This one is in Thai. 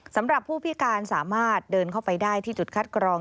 สำหรับผู้พิการสามารถเดินเข้าไปได้ที่จุดคัดกรอง